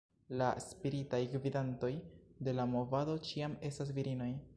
La "spiritaj gvidantoj" de la movado ĉiam estas virinoj.